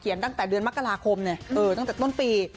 เขียนตั้งแต่เดือนมักราคมเนี่ยเออตั้งแต่ต้นปี